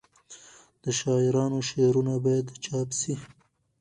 د شاعرانو شعرونه باید چاپ سي.